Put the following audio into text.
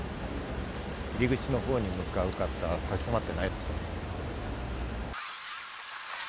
入り口のほうに向かう方、立ち止まっていないです。